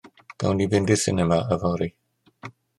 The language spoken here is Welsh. Gawn ni fynd i'r sinema yfory?